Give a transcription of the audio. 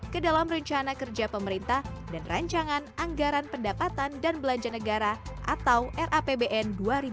ke dalam rencana kerja pemerintah dan rancangan anggaran pendapatan dan belanja negara atau rapbn dua ribu dua puluh lima